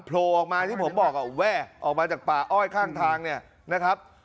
โผล่ออกมาที่ผมบอกแว่ออกมาจากป่าอ้อยข้างทางเนี่ยนะครับ